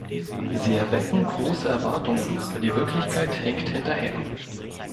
Sie erwecken große Erwartungen, aber die Wirklichkeit hinkt hinterher.